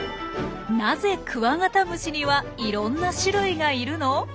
「なぜクワガタムシにはいろんな種類がいるの？」。